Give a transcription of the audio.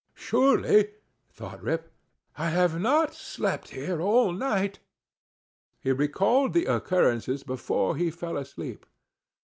"Surely," thought Rip, "I have not slept here all night." He recalled the occurrences before he fell asleep.